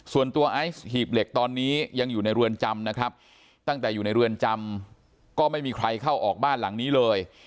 ไอซ์หีบเหล็กตอนนี้ยังอยู่ในเรือนจำนะครับตั้งแต่อยู่ในเรือนจำก็ไม่มีใครเข้าออกบ้านหลังนี้เลย